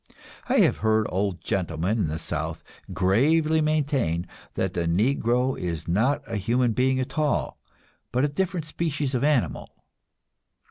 I have heard old gentlemen in the South gravely maintain that the Negro is not a human being at all, but a different species of animal.